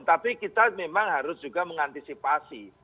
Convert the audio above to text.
tapi kita memang harus juga mengantisipasi